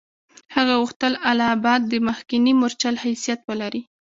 هغه غوښتل اله آباد د مخکني مورچل حیثیت ولري.